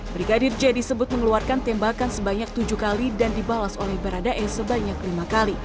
brigadir j disebut mengeluarkan tembakan sebanyak tujuh kali dan dibalas oleh baradae sebanyak lima kali